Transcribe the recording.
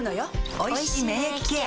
おいしい免疫ケア